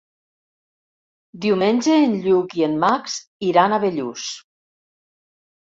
Diumenge en Lluc i en Max iran a Bellús.